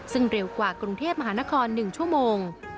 ซึ่งเร็วกว่ากรุงเทพมหานคร๑ชั่วโมง